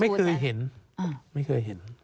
ไม่เคยเห็นไม่เคยเห็น